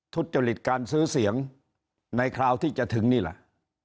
ทุจริตการซื้อเสียงในคราวที่จะถึงนี่แหละ